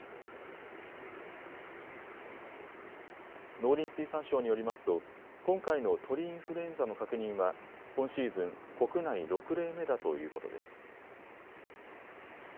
農林水産省によりますと今回の鳥インフルエンザの確認は今シーズン国内６例目だということです。